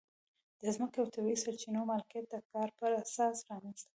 د ځمکې او طبیعي سرچینو مالکیت د کار پر اساس رامنځته کېږي.